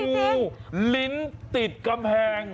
งูลิ้นติดกำแพง